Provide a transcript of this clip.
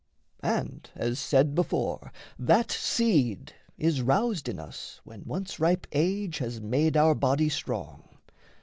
And as said before, That seed is roused in us when once ripe age Has made our body strong...